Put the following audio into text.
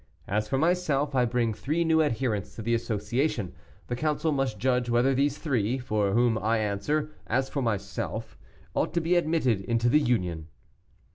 As for myself, I bring three new adherents to the association. The council must judge whether these three, for whom I answer, as for myself, ought to be admitted into the Union."